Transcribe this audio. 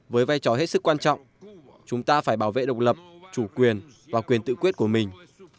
với vai trò hết sức quan trọng chúng ta phải bảo vệ độc lập chủ quyền và quyền tự quyết của mình